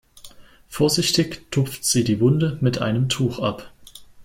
Vorsichtig tupft sie die Wunde mit einem Tuch ab.